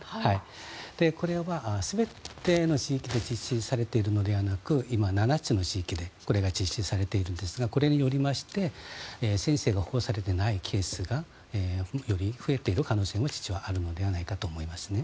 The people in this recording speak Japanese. これは全ての地域で実施されているのではなく今、７つの地域でこれが実施されているんですがこれによりまして先生が保護されていないケースがより増えている可能性も実はあるのではないかと思います。